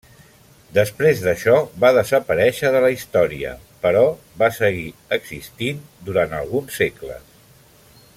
Després d'això va desaparèixer de la història però va seguir existint durant alguns segles.